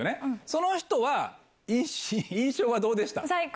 その人は印象はどうでした？